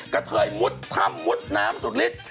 กระเทยมุดถ้ำมุดน้ำสุดฤทธิ์